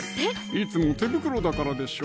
いつも手袋だからでしょう